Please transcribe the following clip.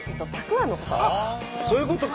あっそういうことか。